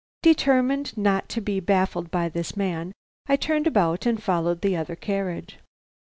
Determined not to be baffled by this man, I turned about and followed the other carriage.